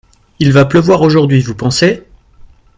Il va pleuvoir aujourd’hui, vous pensez ?